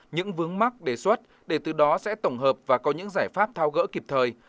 những vướng mắc đề xuất để từ đó sẽ tổng hợp và có những giải pháp thao gỡ kịp thời